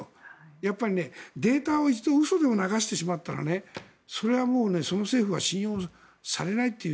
やっぱりデータを一度嘘でも流してしまったらそれは、その政府は信用されないという。